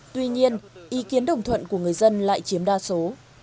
tuy nhiên ý kiến đồng thuận của người dân lại chiếm đa số